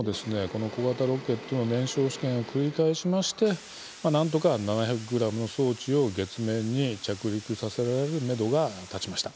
この小型ロケットの燃焼試験を繰り返しましてなんとか７００ｇの装置を月面に着陸させられるめどが立ちました。